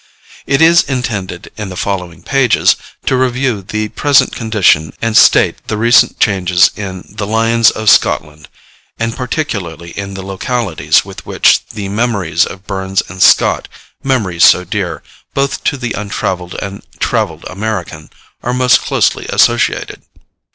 It is intended, in the following pages, to review the present condition, and state the recent changes in the 'Lions of Scotland,' and particularly in the localities with which the memories of Burns and Scott memories so dear, both to the untravelled and travelled American are most closely associated.